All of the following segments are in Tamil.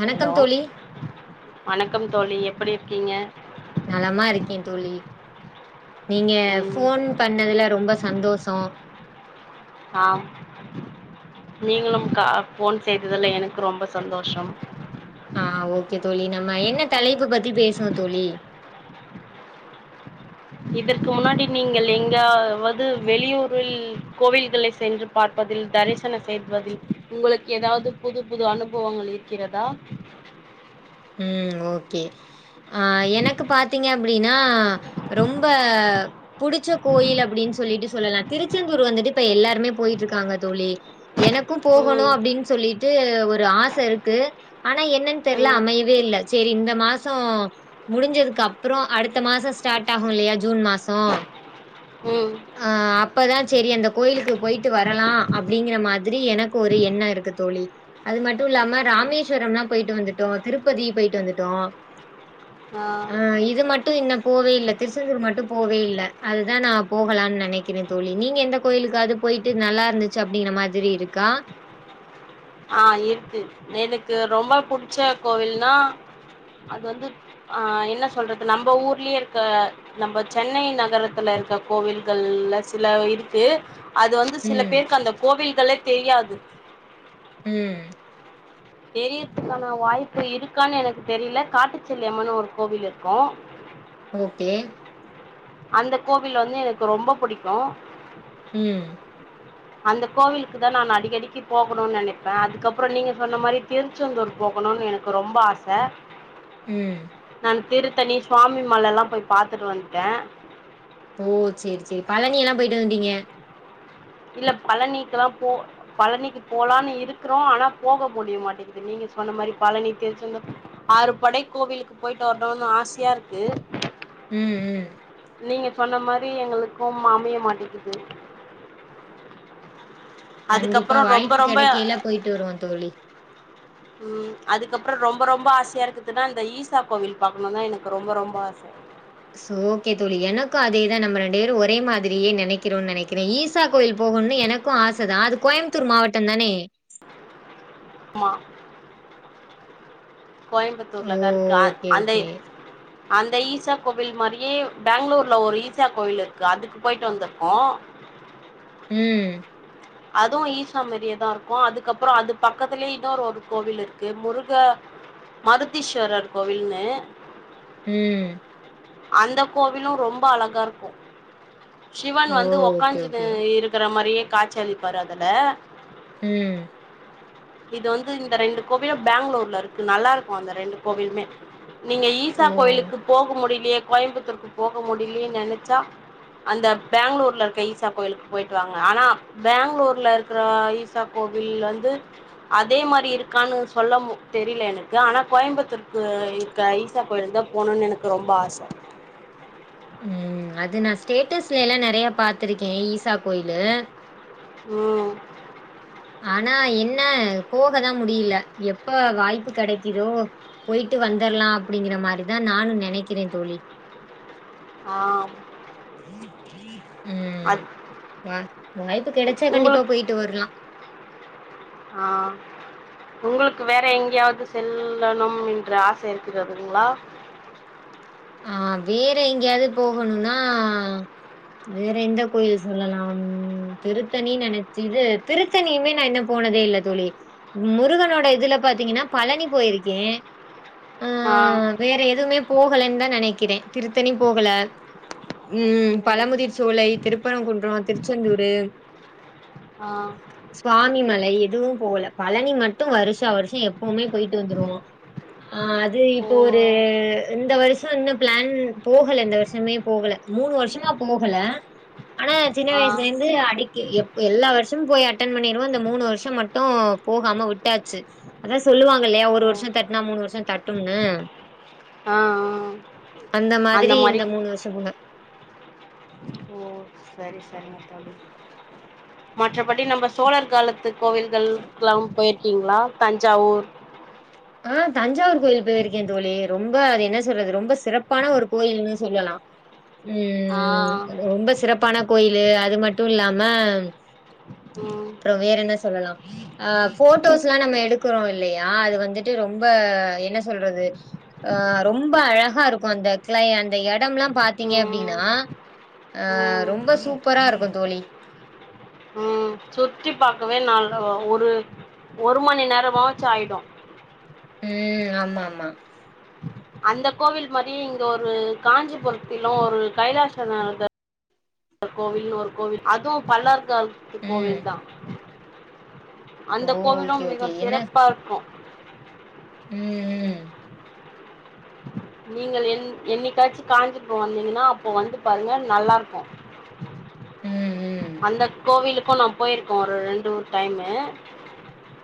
வணக்கம் ஹலோ தோழி வணக்கம் தோழி எப்படி இருக்கீங்க நலமா இருக்கே தோழி நீங்க ம் ஃபோன் பண்ணதுல ரொம்ப சந்தோஷ தோ ஆம் நீங்களும் கா ஃபோன் செய்ததுல எனக்கு ரொம்ப சந்தோஷம் ஆ ஓகே தோழி நம்ம என்ன தலைப்பு பத்தி பேசுவோ தோழி இதற்கு முன்னாடி நீங்கள் எங்காவது வெளியூரில் கோவில்களை சென்றுப் பார்ப்பதில் தரிசன செய்வதில் உங்களுக்கு எதாவ்து புது புது அனுபவங்கள் இருக்கிறதா ம் ஓகே ஆ எனக்கு பாத்தீங்க அப்டினா ரொம்ப புடிச்சக் கோயில் அப்டின் சொல்லிட்டு சொல்லலா திருச்செந்தூர் வந்துட்டு இப்ப எல்லாருமே போயிட்ருக்காங்க தோழி எனக் கு போகணு ம் அப்டின் சொல்லிட்டு ஒரு ஆச இருக்கு ஆனா என்னன் தெர்ல ம் அமைய சேரி இந்த மாச முடிஞ்சதுக்கு அப்றோ அடுத்த மாச ஸ்டார்ட் ஆகு இல்லையா ஜூன் மாச ம் அ அப்பதா சேரி அந்த கோயிலுக்கு போயிட்டு வரலா அப்டிங்கிற மாதிரி எனக்கு ஒரு எண்ண இருக்கு தோழி அது மட்டு இல்லாம ராமேஸ்வரம்லா போயிட்டு வந்துட்டோ திருப்பதி போயிட்டு வந்துட்டோ ஆ ஆ இது மட்டு இன்ன போவே இல்ல திருச்செந்தூர் மட்டு போவே இல்ல அதுதா நா போகலான் நெனைக் க்கிறே தோழி நீங்க எந்த கோயிலுக்காவ்து போயிட்டு நல்லா இருந்துச்சு அப்டிங்கிற மாதிரி இருக்கா ஆ இருக்கு எனக்கு ரொம்ப புடிச்ச கோவில்னா அது வந்து ஆ என்ன சொல்றது நம்ப ஊர்லயே இருக்க நம்ப சென்னை நகரத்துல இருக்க கோவில்கள்ல சில இருக்கு அது வந்து சில ம். பேருக்கு அந்த கோவில்களே தெரியாது ம் தெரியறதுக்கான வாய்ப்பு இருக்கானு எனக்கு தெரியல காட்டுச்செல்லி அம்மன்னு ஒரு கோவில் இருக்கு ஓகே அந்த கோவில் வந்து எனக்கு ரொம்ப புடிக்கு ம் அந்த கோவிலுக்கு தா நானு அடிக்கடிக்கு போகணுன் நெனைப்பே அதுக்கப்பற நீங்க சொன்ன மாரி திருச்செந்தூர் போகணுன் எனக் கு ரொம்ப ஆச ம் நான் திருத்தணி சுவாமி மலலா போய் பாத்துட்டு வந்ட்டே ஓ சேரி சேரி பழனிலா போயிட்டு வந்துடீங்க இல்ல பழனிக்குலா போ பழனிக்கு போலான்னு இருக்குறோ ஆனா போக முடிய மாட்டேங்குது நீங்க சொன்ன மாரி பழனி திருச்செந்தூர் ஆறுபடை கோவிலுக்கு போயிட்டு வர்ணுனு ஆசயா இருக்கு ம் ம் நீங்க சொன்ன மாரி எங்களுக்கும் அமைய மாட்டிக்குது கண்டிப்பா அதுக்கப்புறோ ரொம்ப வாய்ப்பு ரொம்ப கெடைக்கைல போயிட்டு வருவோ தோழி ம் அதுக்கப்ற ரொம்ப ரொம்ப ஆசையா இருக்குதுனா இந்த ஈசா கோவில் பாக்கணுனு எனக்கு ரொம்ப ரொம்ப ஆச ஓகே தோழி எனக்கும் அதே தா நம்ம ரெண்டு பேரும் ஒரே மாதிரியே நெனைக்கிறோனு நெனைக்கிறேன் ஈசா கோயில் போகணுனு எனக் கும் ஆச தா அது கோயம்புத்தூர் மாவட்டம் தானே மா கோயம்புத்தூர்ல ஓ! தா இருக்கு அ ஓகே, அந்த ஓகே. அந்த ஈசா கோவில் மாதிரியே பெங்களூர்ல ஒரு ஈசா கோவில் இருக்கு அதுக்கு போயிட்டு வந்திருக்கோ ம் அதுவும் ஈசா மாரியே தா இருக்கும் அதுக்கப்புறம் அது பக்கத்துலயே இன்னொரு ஒரு கோவில் இருக்கு முருக மருதீஸ்வரர் கோவில்னு ம் அந்த கோவிலும் ரொம்ப அழகா இருக்கும் சிவன் ஓ! வந்து ஓகே, உக்காஞ்ஜுனு ஓகே. இருக்கிற மாரியே காட்சி அளிப்பாரு அதுல ம் இது வந்து இந்த ரெண்டு கோவிலும் பாங்களூர்ல இருக்கு நல்லா இருக்கும் அந்த ரெண்டு கோவிலுமே நீங்க ஈசா ஓ! கோயிலுக்கு போக முடியலையே கோயம்புத்தூருக்கு போக முடியலயேன்னு நெனச்சா அந்த பாங்களூர்ல இருக்க ஈசா கோயிலுக்கு போயிட்டு வாங்க ஆனா பெங்களூர்ல இருக்கிற ஈசா கோவில் வந்து அதே மாரி இருக்கான்னு சொல்ல மு தெரில எனக்கு ஆனா கோயம்புத்தூருக்கு க ஈசா கோயிலுக்கு தா போகணுன்னு எனக்கு ரொம்ப ஆசை ம் அது நா ஸ்டேட்டஸ்ல எல்லா நெறைய பாத்திருக்கேன் ஈசா கோயிலு ம் ஆனா என்ன போக தா முடில எப்ப வாய்ப்பு கெடைக்கிதோ போயிட்டு வந்தர்லா அப்படிங்கிற மாதிரிதான் நானும் நெனைக்கிறேன் தோழி ஆ ம் அது வா வாய்ப்பு கெடச்சா கண்டிப்பா உங்களுக்கு போய்ட்டு வர்லா ஆ உங்ளுக்கு வேற எங்கயாவது செல்லணும் என்ற ஆசை இருக்கிறதுங்களா ஆ வேற எங்கயாவது போகணுனா வேற எந்த கோயில் சொல்லலா திருத்தணி நெனச்சி இது திரு த்தணியுமே நா இன்னோ போனதே இல்ல தோழி முருகனோட இதுல பாத்தீங்ன்னா பழனி போயிருக்கேன் ஆ வேற எதுமே போகலேன் தா நெனைக்றேன் திருத்தணி போகல ம் ஓ பழமுதிர் சோலை திருப்பரங்குன்றோ திருச்செந்தூரு ஆ ஸ்வாமி மலை எதுவும் போவல பழனி மட்டும் வருஷா வருஷம் எப்பவுமே போய்ட்டு வந்துருவோம் ஆ அது ஓ இப்போ ஒரு இந்த வருஷோ இன்னு ப்ளான் போகல இந்த வர்ஷமே போகல மூணு வர்ஷமா போகல ஆனா சின்ன ஆ வயஸ்ல இருந்து அடிக் எ எப் எல்லா வருஷமும் போய் அட்டன் பண்ணிருவோ இந்த மூணு வருஷம் மட்டும் போகாம வுட் டாச்சு அதா சொல்லுவாங்க இல்லையா ஒரு ஓ வருஷம் தட்டுனா மூணு வருஷம் தட்டும்னு ஆ ஆ அந்த மாதிரி இந்த மூணு வருஷம் போக ஓ சரி சரிங்க தோழி மற்றபடி நம்ம சோழர் காலத்து கோவில்கள் எல்லாம் போயிருக்கீங்களா தஞ்சாவூர் ஆ தஞ்சாவூர் கோயில் போயிருக்கேன் தோழி ரொம்ப அது என்ன சொல்றது ரொம்ப சிறப்பான ஒரு கோயில்னு சொல்லலா ஆ ம் ரொம்ப சிறப்பான கோயிலு அது மட்டு இல்லாம ம் அப்றோ வேற என்ன சொல்லலா அ ஃபோட்டோஸ் லா நம்ம எடுக்றோ இ இல்லையா அது வந்துட்டு ரொம்ப என்ன சொல்றது ஆ ரொம்ப அழகா இருக்கும் அந்த இருக்ள அந்த எடம்லா பாத்தீங்க ம் அப்டின்னா அ ம் ரொம்ப சூப்பரா இருக்கோ தோழி ம் சுத்தி பாக்கவே நால் ஒ ஒரு மணி நேரமாச்சி ஆய்டோ ம் ஆமா ஆமா அந்த கோவில் மாரி இங்க ஒரு காஞ்சிபுரத்திலோ ஒரு கைலாசநாத ர் கோவில்னு ஒரு கோவில் அதுவு பலவ ர் காலத்து ம் கோவில் தா ஓ அந்த ஓகே கோவிலும் மிக ஓகே சிறப்பா இருக்கும் ம் ம் நீங்கள் என் என்னிக்காச்சு காஞ்சிபுரோ வந்தீங்கன்னா அப்போ வந்து பாருங்க நல்லா இருக்கோ ம் ம் அந்த கோவிலுக்கோ நா போய்ருக்கோ ஒரு ரெண்டு மூணு டைமு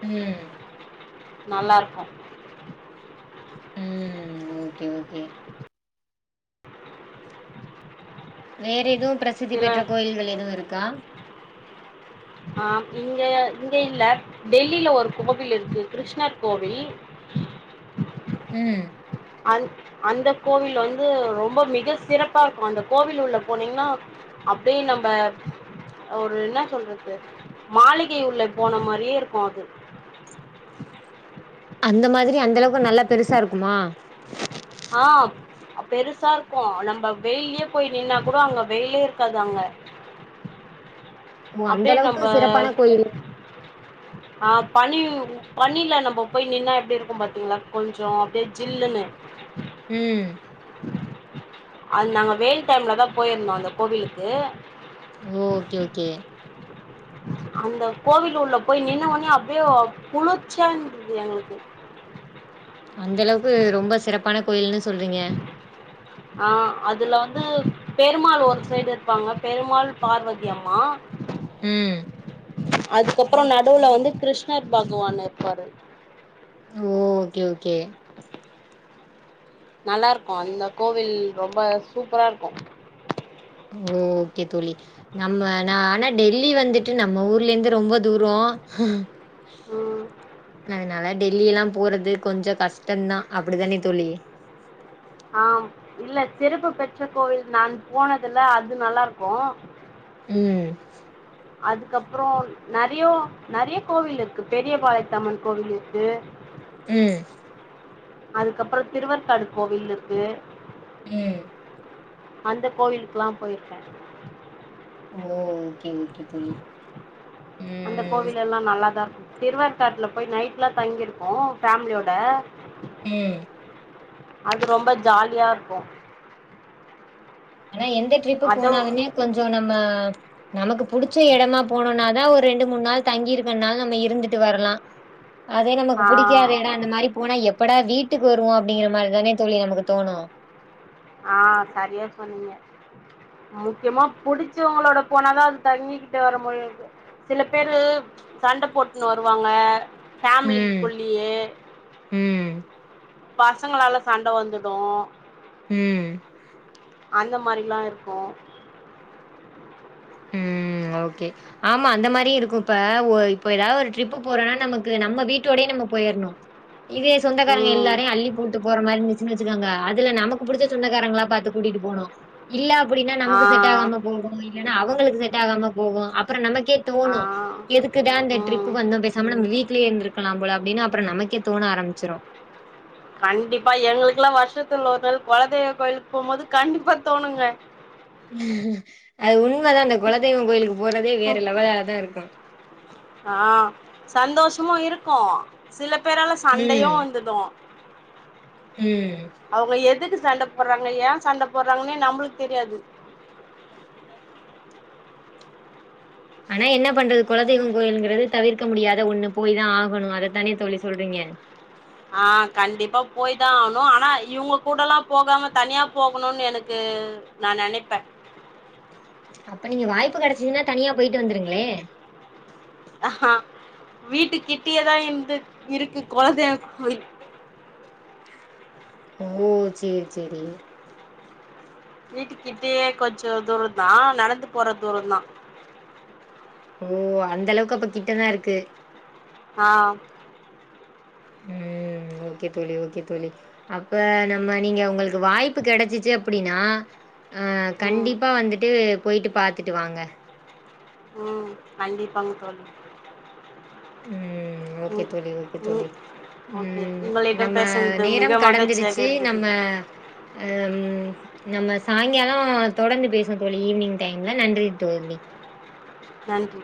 ம் நல்லாருக்கு ம் ஓகே ஓகே வேற எதுவு பிரசித்தி சில பெற்ற கோயில்கள் எதுவு இருக்கா ஆம் இங்க இங்க இல்ல டெல்லில ஒரு கோவில் இருக்கு கிருஷ்ணர் கோவில் ம் அந் அந்த கோவில் வந்து ரொம்ப மிக சிறப்பாருக்கு அந்த கோவில் உள்ள போனீங்கன்னா அப்டே நம்ப ஒரு இன்னா சொல்றது மாளிகை உள்ள போன மாரியேருக்கும் அது அந்த மாதிரி அந்த அளவுக் நல்லா பெருசாருக்குமா ஆ பெருசாருக்கோ நம்ப வெய்லியே போய் நின்னா கூடோ அங்க வெயிலே இருக்காது அங்க ஓ அந்த அப்டே அளவுக்கு நம்ப சிறப்பான கோயில் ஆ பனி பனில நம்போ போய் நின்னா எப்டிருக்கும் பாத்தீங்ளா கொஞ்சோ அப்டியே ஜில்லுன்னு ம் அது நாங்க வெய்ல் டைம்ல தா போய்ருந்தோ அந்த கோவிலுக்கு ஓ ஒகே ஒகே அந்த கோவில் உள்ள போய் நின்ன ஒன்னே அப்டியே குளிச்சியா இருந்தது எங்ளுக்கு அந்தளவுக்கு ரொம்ப சிறப்பான கோயில்னு சொல்றீங்க ஆ அதுல வந்து பெருமாள் ஒரு சைடு இருப்பாங்க பெருமாள் பார்வதி அம்மா ம் அதுக்கப்றோ நடுவுல வந்து கிருஷ்ணர் பக்வான் இருப்பாரு ஓ ஓ கே ஓகே நல்லாருக்கு அந்த கோவில் ரொம்ப சூப்பராருக்கு ஓ ஓகே தோழி நம்ம நா ஆனா டெல்லி வந்துட்டு நம்ம ஊர்லேந்து ரொம்ப தூரோ ம் அதனால டெல்லி எல்லா போறது கொஞ்சோ கஷ்டந்தா அப்டிதானே தோழி ஆம் இல்ல சிறப்பு பெற்ற கோவில் நான் போனதுல்ல அது நல்லாருக்கு ம் அதுக்கப்றோ நெறையோ நெறையோ கோவில் இருக்கு பெரியபாளையத்தம்மன் கோவில் இருக்கு ம் அதுக்கப்றோ திருவற்காடு கோவில் இருக்கு ம் அந்த கோவிலுக்லா போய்ருக்கே ஓ ஓகே ஓகே தோழி அந்த ம். கோவில் எல்லா நல்லா தா ருக்கு திருவேர்காட்ல போய் நைட் லா தங்கிருக்கோ ஃபேம்லியோட ம் அது ரொம்ப ஜால்யா இருக்கு ஆனா எந்த ட்ரிப்பு அதவு போனாலுமே கொஞ்சோ நம்ம நமக்கு புடிச்ச எடமா போனுன்னா ன்ன ஒர் ரெண்டு மூண் நாள் தங்கியிருக்கனால நம்ம இருந்துட்டு வர்லா அதே நமக்கு ஆ புடிக்காத யெடோ அந்த மாரி போனா எப்படா வீட்டுக்கு வருவோ அப்டிங்கற மாரிதானே தோழி நமக்கு தோணு ஆ சரியா சொன்னீங்க முக்கியமா புடிச்சவங்களோட போனாதா அது தங்கிக்கிட்டு வர மாறியிருக்கு சில பேரு சண்ட போட்னு வருவாங்க ம் ஃபேமலிக்குள்ளியே ம் பசங்களால சண்ட வந்துடு ம் அந்த மாரில்லா இருக்கு ம் ஓகே ஆமா அந்த மாரி இருக்குப்ப ஒ இப்போ ஏதா ஒரு ட்ரிப் போறோனா நமக்கு நம்ம வீட்டோடயே நம்ம போயர்னு இதே சொந்தகாரங்க ம் எல்லாரையு அள்ளி போட்டு போற மாரிருஞ் சு வச்சுக்காங்க அதுல நமக்கு புடிச்ச சொந்தகாரங்களா பாத்து கூட்டிட்டு போனு இல்ல அப்புடினா ஆ நமக்கு செட் ஆகாம போகு இல்லனா அவங்களுக்கு செட் ஆகாம போகு அப்பற நமக்கே ஆ தோணு எதுக் க்தா இந்த ட்ரிப் ம் வந்தோ பேசாம நம் வீட்லயே இருந்துருக்கலா போல அப்டினு அப்பரோ நமக்கே தோண ஆரம்பிச்சிரு கண்டிப்பா எங்ளுக்கெலா வர்ஷத்துள்ள ஒர் நாள் கொலதெய்வ கோயில்க்கு போம்போது கண்டிப்பா தோணுங்க அது உண்மதா அந்த கொலதெய்வங் கோயிலுக்கு போறதே வேற லெவலா தா இருக்கு ஆ சந்தோஷ்மு இருக்கு சில பேரால சண்டையு ம் வந்துடு ம் அவுங்க எதுக்கு சண்ட போட்றாங்க ஏ சண்ட போட்றாங்னே நம்ப்ளுக்கு தெரியாது ஆனா என்ன பண்றது கொலதெய்வங் கோயிலுங்றது தவிர்க்க முடியாத ஒண்ணு போய் தா ஆகணு அதத்தானே தோழி சொல்றீங்க ஆ கண்டிப்பா போய் தா ஆகனு ஆனா இவுங்க கூடலா போகாம தனியா போகணுன்னு எனக்கு நா நெனைப்பே அப்ப நீங்க வாய்ப்பு கெடைச்சுதுன்னா தனியா போயிட்டு வந்துருங்களே அஹா வீட்டு கிட்டியேதா இருந்து இருக்கு கொலதேவ கோவில் ஓ செரி செரி வீட்டுக்கிட்டயே கொஞ்சோ தூரம் தா நடந்து போற தூரோ தா ஓ அந்த அளவுக்கு அப்ப கிட்ட தா இருக்கு ஆ ம் ஓகே தோழி ஓகே தோழி அப்ப நம்ம நீங்க உங்களுக்கு வாய்ப்பு கெடைச்சிச்சு அப்டின்னா ஆ ம் கண்டிப்பா வந்துட்டு போயிட்டு பாத்துட்டு வாங்க ம் கண்டிப்பாங்க தோழி ம் ஓகே ம் தோழி ஓகே தோழி ம் ஓகே ம் உங்களிடம் நம்ம பேசனது நேரம் மிக மகிழ்ச்சியாக கடந்துருச்சு இருந்தது நம்ம ஆ நம்ம சாயங்கால தொடர்ந்து பேசுவோ தோழி ஈவினிங் டைம்ல நன்றி தோழி நன்றி